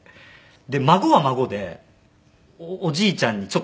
孫は孫でおじいちゃんにちょっとこうね。